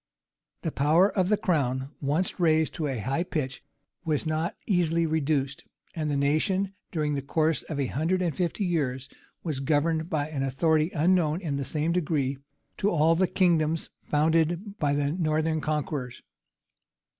The power of the crown, once raised to a high pitch, was not easily reduced; and the nation, during the course of a hundred and fifty years, was governed by an authority unknown, in the same degree, to all the kingdoms founded by the northern conquerors.